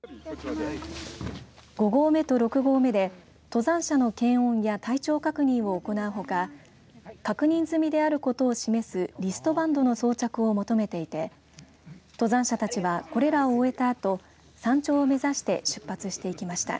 ５合目と６合目で登山者の検温や体調確認を行うほか確認済みであることを示すリストバンドの装着を求めていて登山者たちはこれらを終えたあと山頂を目指して出発していきました。